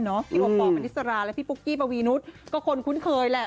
พี่บอกมันนิสราและพี่ปุ๊กกี้ปะวีนุสก็คนคุ้นเคยแหละ